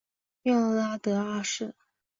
穆拉德二世。